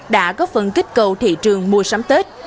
đã có phần kích cầu thị trường mùa sắm tết